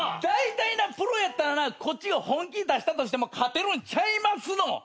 だいたいプロやったらなこっちが本気出したとしても勝てるんちゃいますの？